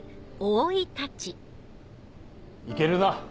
行けるな。